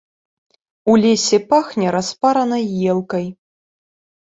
У лесе пахне распаранай елкай.